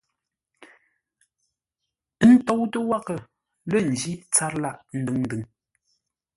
Ə́ tóutə́ wághʼə lə́ ńjí tsâr lâʼ ndʉŋ-ndʉŋ.